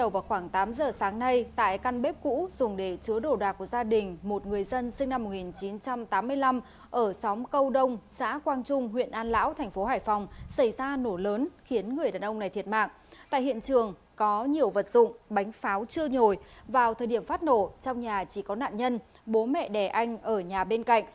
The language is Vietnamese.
vào thời điểm phát nổ trong nhà chỉ có nạn nhân bố mẹ đẻ anh ở nhà bên cạnh